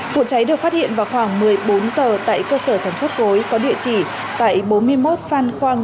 vụ cháy được phát hiện vào khoảng một mươi bốn giờ tại cơ sở sản xuất cối có địa chỉ tại bốn mươi một phan khoang